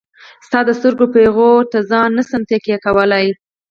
ستا د سترګو پيغور ته ځان نشم تکيه کولاي.